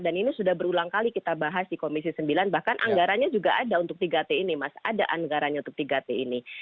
dan ini sudah berulang kali kita bahas di komisi sembilan bahkan anggaranya juga ada untuk tiga t ini mas ada anggaranya untuk tiga t ini